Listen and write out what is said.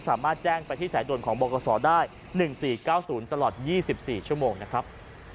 สามารถแจ้งไปที่สายด่วนของบกษได้๑๔๙๐ตลอด๒๔ชั่วโมงนะครับ